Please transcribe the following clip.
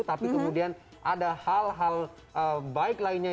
tapi kemudian ada hal hal baik lainnya